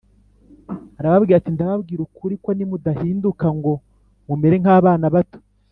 Aravuga ati ndababwira ukuri ko nimudahinduka ngo mumere nk abana bato